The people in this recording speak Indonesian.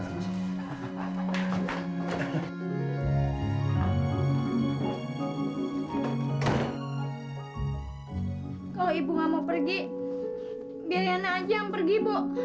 kalau ibu nggak mau pergi biar yana aja yang pergi bu